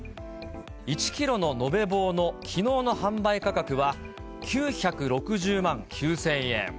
１キロの延べ棒の、きのうの販売価格は、９６０万９０００円。